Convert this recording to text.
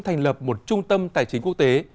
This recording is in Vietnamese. thành lập một trung tâm tài chính quốc tế